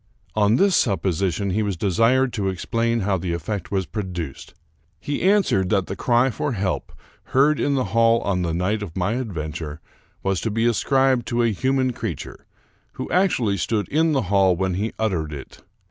On this supposition he was desired to explain how the effect was produced. He answered that the cry for help, heard in the hall on th© night of my adventure, was to be ascribed to a human creature, who actually stood in the hall when he uttered it.